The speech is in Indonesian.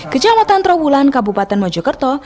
kecamatan trawulan kabupaten mojokerto